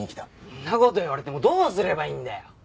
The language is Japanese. んな事言われてもどうすればいいんだよ！